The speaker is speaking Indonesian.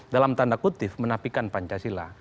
dalam tanda kutip menapikan pancasila